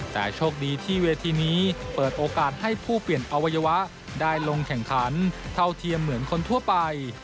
แต่โชคดีที่เวทีนี้เปิดโอกาสให้ผู้เปลี่ยนอวัยวะได้ลงแข่งขันเท่าเทียมเหมือนคนทั่วไป